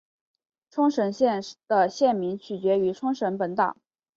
冲绳县的县名取自于冲绳本岛。